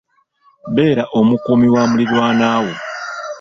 Beera omukuumi wa muliraanwawo.